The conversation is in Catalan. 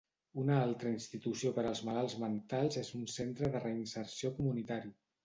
Una altra institució per als malalts mentals és un centre de reinserció comunitari.